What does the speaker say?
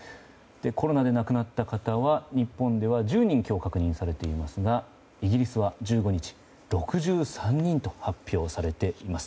コロナで亡くなった方は日本では１０人今日確認されていますがイギリスは１５日６３人と発表されています。